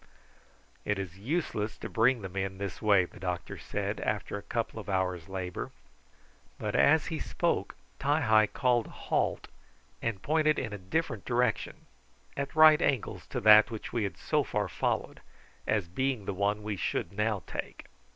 "It is useless to bring the men this way," the doctor said, after a couple of hours' labour; but as he spoke Ti hi called a halt and pointed in a different direction, at right angles to that which we had so far followed, as being the one we should now take.